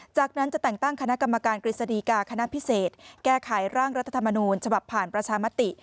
จากนั้นจะแต่งตั้งคณะกรรมการกฤษฎีกาคณะพิเศษแก้ไขร่างรัฐธรรมนูญฉบับผ่านประชามติ